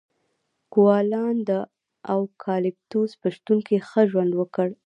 کوالان د اوکالیپتوس په شتون کې ښه ژوند وکړ.